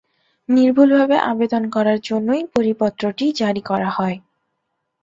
নির্ভুলভাবে আবেদন করার জন্যই পরিপত্রটি জারি করা হয়।